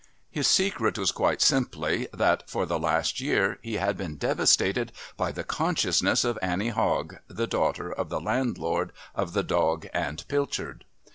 His secret was quite simply that, for the last year, he had been devastated by the consciousness of Annie Hogg, the daughter of the landlord of "The Dog and Pilchard."